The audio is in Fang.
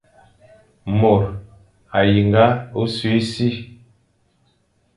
Môr a yinga ôsṽi e si.